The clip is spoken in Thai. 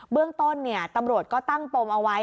เรื่องต้นตำรวจก็ตั้งปมเอาไว้